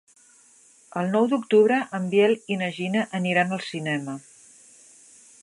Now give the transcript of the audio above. El nou d'octubre en Biel i na Gina aniran al cinema.